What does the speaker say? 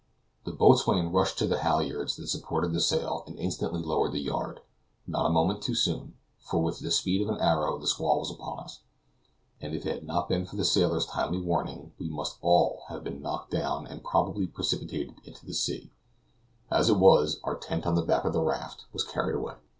The boatswain rushed to the halliards that supported the sail, and instantly lowered the yard; not a moment too soon, for with the speed of an arrow the squall was upon us, and if it had not been for the sailor's timely warning we must all have been knocked down and probably precipitated into the sea; as it was, our tent on the back of the raft was carried away.